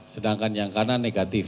sedangkan yang kanan negatif